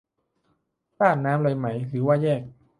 ราดน้ำเลยไหม หรือว่าแยก